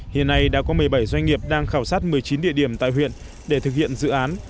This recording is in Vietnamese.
hiện nay đã có một mươi bảy doanh nghiệp đang khảo sát một mươi chín địa điểm tại huyện để thực hiện dự án